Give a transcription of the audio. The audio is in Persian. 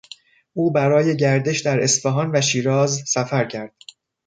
او برای گردش در اصفهان و شیراز سفر کرد